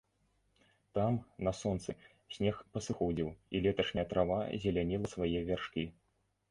Там, на сонцы, снег пасыходзіў, і леташняя трава зеляніла свае вяршкі.